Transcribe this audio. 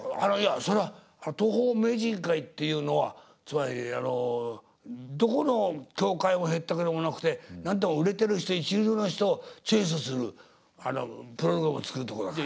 それは東宝名人会っていうのはつまりどこの協会もへったくれもなくて何でも売れてる人一流の人チョイスするプログラム作るところだから。